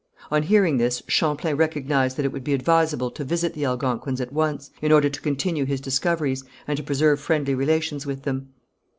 On hearing this, Champlain recognized that it would be advisable to visit the Algonquins at once, in order to continue his discoveries, and to preserve friendly relations with them.